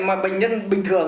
mà bệnh nhân bình thường